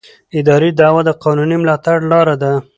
اداري دعوه د قانوني ملاتړ لاره ده.